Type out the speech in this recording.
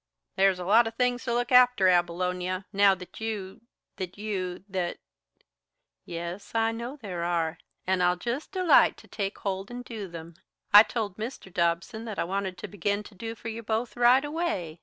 "There's a lot of things to look after, Abilonia, now that you that you that " "Yes, I know there are, and I'll just delight to take hold and do them. I told Mr. Dobson that I wanted to begin to do for you both right away.